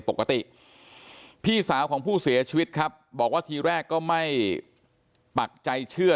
ปกติพี่สาวของผู้เสียชีวิตครับบอกว่าทีแรกก็ไม่ปักใจเชื่อ